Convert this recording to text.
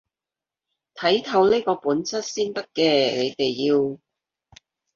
睇透呢個本質先得嘅，你哋要